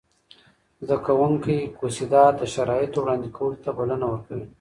زده کوونکي کوسيدات د شرایطو وړاندې کولو ته بلنه ورکوي.